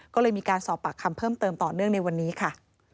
ก็เลยมีการสอบปากคำเพิ่มเติมต่อเนื่องในวันนี้ค่ะ